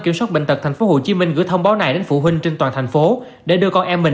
kiểm soát bệnh tật tp hcm gửi thông báo này đến phụ huynh trên toàn thành phố để đưa con em mình